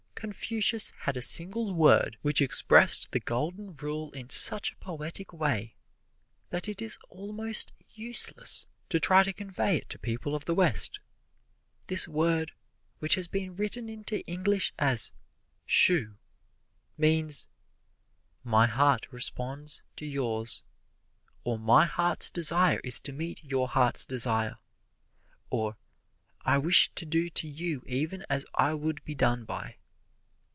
Confucius had a single word which expressed the Golden Rule in such a poetic way that it is almost useless to try to convey it to people of the West. This word, which has been written into English as "Shu," means: My heart responds to yours, or my heart's desire is to meet your heart's desire, or I wish to do to you even as I would be done by.